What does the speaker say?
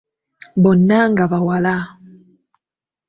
Bonna nga bawala.